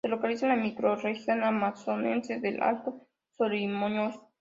Se localiza en la microrregión amazonense del Alto Solimões.